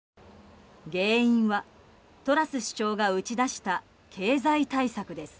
原因はトラス首相が打ち出した経済対策です。